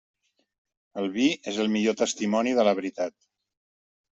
El vi és el millor testimoni de la veritat.